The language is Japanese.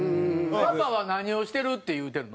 パパは何をしてるって言うてるの？